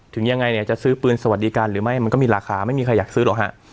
ถึงยังไงเนี่ยจะซื้อปืนสวัสดิการหรือไม่มันก็มีราคาไม่มีใครอยากซื้อหรอกฮะ